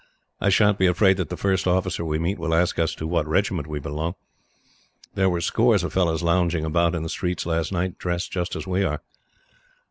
I sha'n't be afraid that the first officer we meet will ask us to what regiment we belong. There were scores of fellows lounging about in the streets last night, dressed as we are."